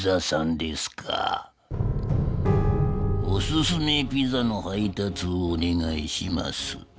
おすすめピザの配たつをおねがいします。